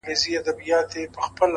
کال ته به مرمه،